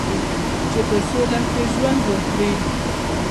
چې په سوله کې ژوند وکړي.